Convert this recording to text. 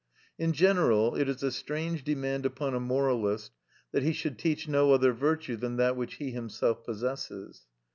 In general, it is a strange demand upon a moralist that he should teach no other virtue than that which he himself possesses.